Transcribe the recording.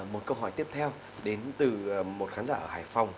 một câu hỏi tiếp theo đến từ một khán giả ở hải phòng